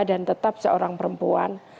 dan tetap seorang perempuan